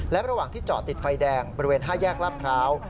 และระหว่างที่จอดติดไฟแดงบริเวณ๕แยกลาดพร้าว